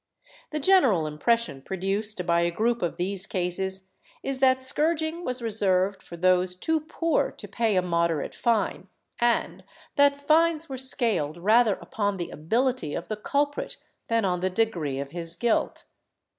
The general impression produced by a group of these cases is that scourging was reserved for those too poor to pay a moderate fine, and that fines were scaled rather upon the ability of the culprit than on the degree of his guilt.